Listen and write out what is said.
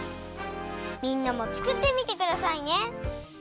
みんなもつくってみてくださいね。